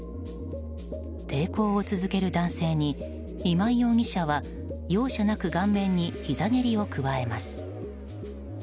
抵抗を続ける男性に今井容疑者は容赦なく顔面にひざ蹴りを加えます。